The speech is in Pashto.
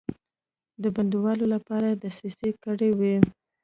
د بندولو لپاره دسیسې کړې وې.